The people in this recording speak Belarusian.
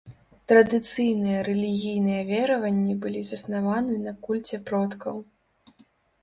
Традыцыйныя рэлігійныя вераванні былі заснаваны на кульце продкаў.